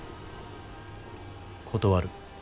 断る。